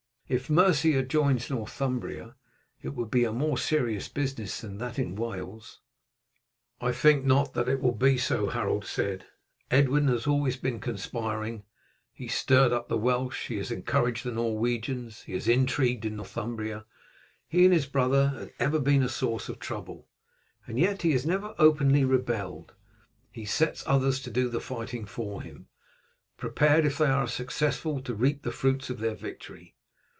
"If Mercia joins Northumbria it would be a more serious business than that in Wales." "I think not that it will be so," Harold said. "Edwin has been always conspiring. He stirred up the Welsh, he has encouraged the Norwegians, he has intrigued in Northumbria. He and his brother have ever been a source of trouble, and yet he has never openly rebelled; he sets others to do the fighting for him, prepared if they are successful to reap the fruits of their victory.